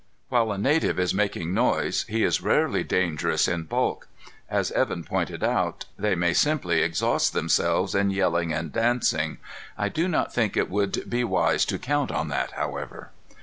While a native is making a noise, he is rarely dangerous in bulk. As Evan pointed out, they may simply exhaust themselves in yelling and dancing. I do not think it would be wise to count on that, however."